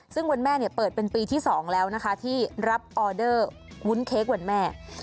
ซึ่งวันแม่เปิดเป็นปีที่๒แล้วนะคะที่รับออเดอร์วุ้นเค้กวันแม่